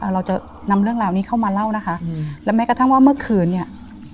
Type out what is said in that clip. เรื่องนี้เข้ามาเล่านะคะและแม้กระทั่งว่าเมื่อคืนเนี่ย